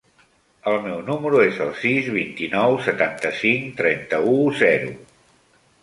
El meu número es el sis, vint-i-nou, setanta-cinc, trenta-u, zero.